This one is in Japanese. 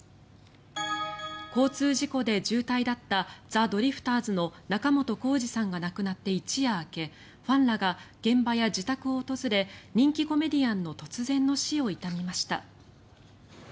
交通事故で重体だったザ・ドリフターズの仲本工事さんが亡くなって一夜明けファンらが現場や自宅を訪れ人気コメディアンの突然の死を悼みました。